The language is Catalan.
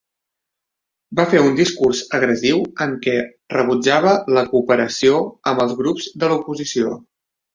Va fer un discurs agressiu en què rebutjava la cooperació amb els grups de l'oposició.